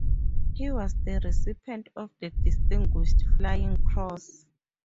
He was the recipient of the Distinguished Flying Cross.